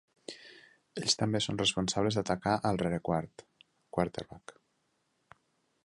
Ells també són responsables d'atacar al rerequart (quarterback).